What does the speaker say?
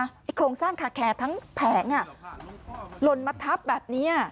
ไอ้โครงสร้างคาแคร์ทั้งแผงอ่ะลนมาทับแบบนี้อ่ะ